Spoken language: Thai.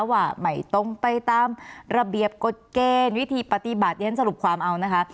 ว่าไม่ตรงไปตามระเบียบกฎเกณฑ์วิธีปฏิบัติเรียนสรุปความเอานะคะ